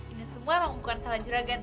ini semua pengukuhan salah juragan